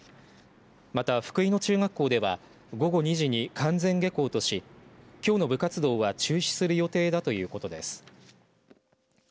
また、福井野中学校では午後２時に完全下校としきょうの部活動は中止する予定だということです。